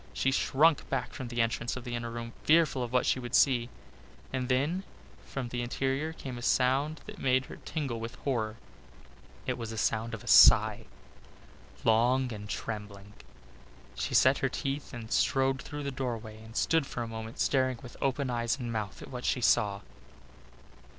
She shrunk back from the entrance of the inner room, fearful of what she would see. And then from the interior came a sound that made her tingle with horror. It was a sound of a sigh, long and trembling. She set her teeth and strode through the doorway and stood for a moment staring with open eyes and mouth at what she saw.